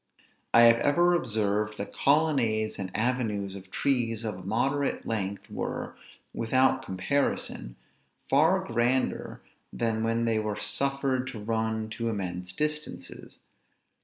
I have ever observed, that colonnades and avenues of trees of a moderate length were, without comparison, far grander than when they were suffered to run to immense distances.